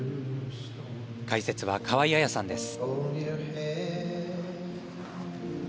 解説は河合彩さんです。